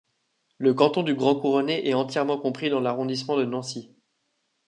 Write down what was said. Le canton du Grand Couronné est entièrement compris dans l'arrondissement de Nancy.